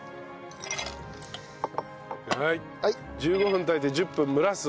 １５分炊いて１０分蒸らす。